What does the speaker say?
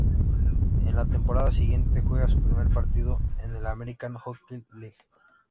En la temporada siguiente juega su primer partido en la American Hockey League.